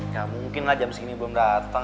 gak mungkin lah jam segini belum dateng